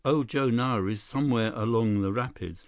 Old Joe Nara is somewhere along the rapids.